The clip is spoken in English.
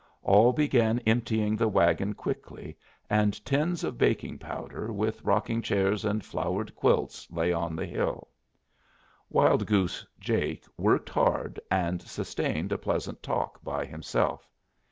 All began emptying the wagon quickly, and tins of baking powder, with rocking chairs and flowered quilts, lay on the hill. Wild Goose Jake worked hard, and sustained a pleasant talk by himself.